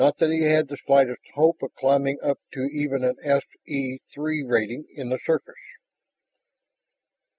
Not that he had the slightest hope of climbing up to even an S E Three rating in the service.